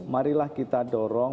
marilah kita dorong